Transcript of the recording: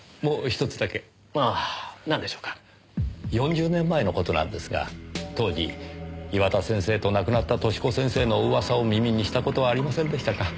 ４０年前の事なんですが当時岩田先生と亡くなった寿子先生の噂を耳にした事はありませんでしたか？